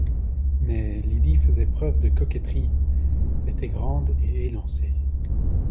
Mais Lydie faisait preuve de coquetterie, était grande et élancée